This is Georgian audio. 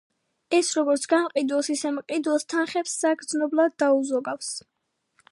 ეს როგორც გამყიდველს, ისე მყიდველს, თანხებს საგრძნობლად დაუზოგავს.